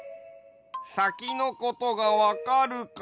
さきのことがわかるか。